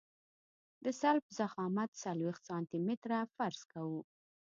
د سلب ضخامت څلوېښت سانتي متره فرض کوو